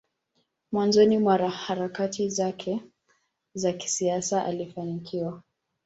mwanzoni mwa harakati zake za kisiasa alifanikiwa